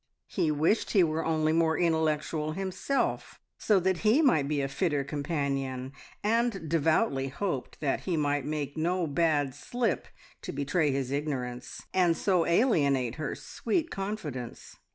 He wished he were only more intellectual himself, so that he might be a fitter companion, and devoutly hoped that he might make no bad slip to betray his ignorance, and so alienate her sweet confidence.